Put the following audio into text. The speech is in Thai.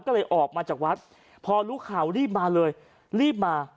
ก็เลยออกมาจากวัดพอรู้ข่าวรีบมาเลยรีบมา